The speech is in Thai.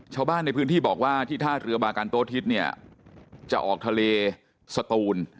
ชาวบ้านในพื้นที่บอกว่าที่ท่าเรือบากันโต๊ทิศเนี่ยจะออกทะเลสตูน